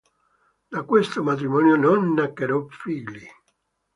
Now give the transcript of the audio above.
Da questo matrimonio non nacquero figli.